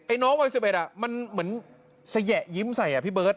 น้องวัย๑๑มันเหมือนสยะยิ้มใส่อ่ะพี่เบิร์ต